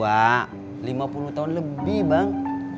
wah lima puluh tahun lebih bang